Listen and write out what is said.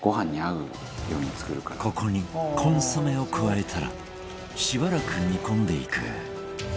ここにコンソメを加えたらしばらく煮込んでいく